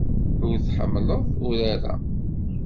Ur tḥemmleḍ urar-a.